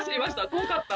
怖かった。